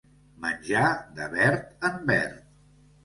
Menjar de verd en verd.